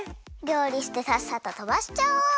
りょうりしてさっさととばしちゃお！